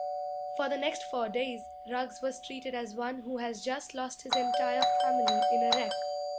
For the next four days Ruggs was treated as one who has just lost his entire family in a wreck.